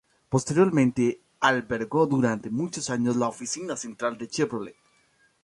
Posteriormente, albergó durante muchos años la oficina central de Chevrolet.